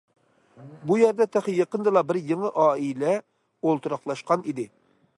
بۇ يەردە تېخى يېقىندىلا بىر يېڭى ئائىلە ئولتۇراقلاشقان ئىدى.